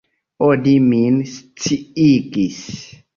Oni min sciigis.